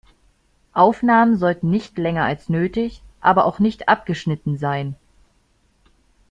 Aufnahmen sollten nicht länger als nötig, aber auch nicht abgeschnitten sein.